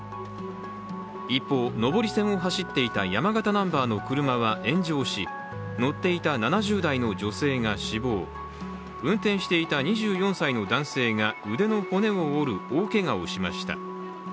一方、上り線を走っていた山形ナンバーの車は炎上し乗っていた７０代の女性が死亡、運転していた２４歳の男性が腕の骨を折る大けがをしました。